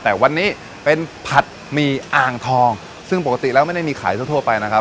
แต่วันนี้เป็นผัดหมี่อ่างทองซึ่งปกติแล้วไม่ได้มีขายทั่วทั่วไปนะครับ